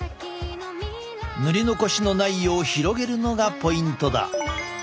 塗り残しのないよう広げるのがポイントだ。